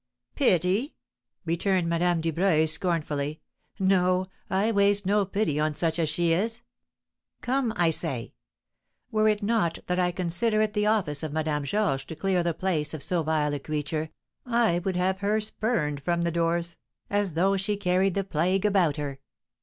"Pity!" returned Madame Dubreuil, scornfully. "No, I waste no pity on such as she is. Come, I say! Were it not that I consider it the office of Madame Georges to clear the place of so vile a creature, I would have her spurned from the doors, as though she carried the plague about with her."